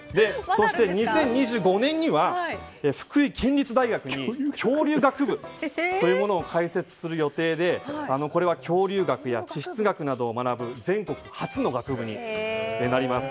そして２０２５年には福井県立大学に恐竜学部を開設する予定でこれは恐竜学や地質学を学ぶ全国初の学部になります。